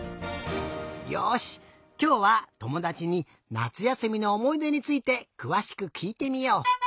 よしきょうはともだちになつやすみのおもいでについてくわしくきいてみよう。